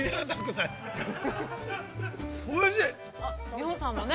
◆美穂さんもね